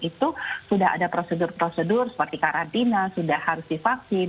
itu sudah ada prosedur prosedur seperti karantina sudah harus divaksin